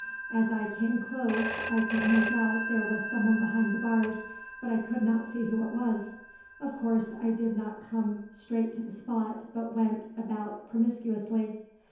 "As I came close, I could make out that there was someone behind the bars, but I could not see who it was. Of course, I did not come straight to the spot, but went about promiscuously.